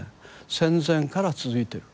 戦前から続いてる。